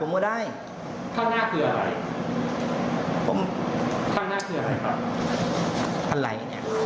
อะไรเนี่ย